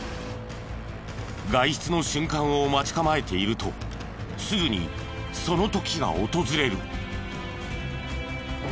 外出の瞬間を待ち構えているとすぐにその時が訪れる。